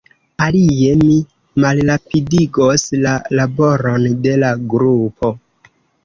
Alie, mi malrapidigos la laboron de la grupo.